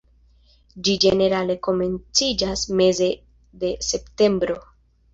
Ĝi ĝenerale komenciĝas meze de septembro.